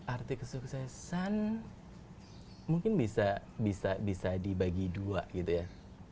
arti kesuksesan mungkin bisa dibagi dua gitu ya